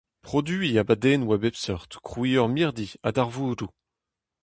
Produiñ abadennoù a bep seurt, krouiñ ur mirdi ha darvoudoù.